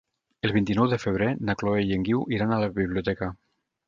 El vint-i-nou de febrer na Chloé i en Guiu iran a la biblioteca.